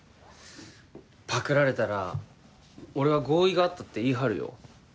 パクられたら俺は合意があったって言い張るよ。